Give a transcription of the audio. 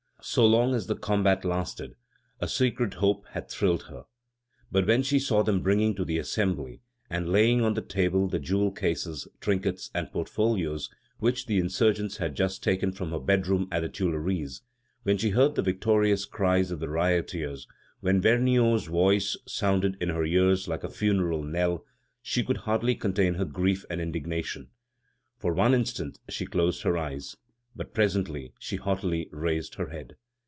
So long as the combat lasted, a secret hope had thrilled her. But when she saw them bringing to the Assembly and laying on the table the jewel cases, trinkets, and portfolios which the insurgents had just taken from her bedroom at the Tuileries; when she heard the victorious cries of the rioters; when Vergniaud's voice sounded in her ears like a funeral knell she could hardly contain her grief and indignation. For one instant she closed her eyes. But presently she haughtily raised her head.